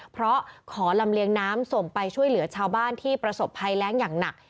เพราะขอลำเลียงน้ำส่งไปช่วยเหลือชาวบ้านที่ประสบภัยแรงอย่างหนัก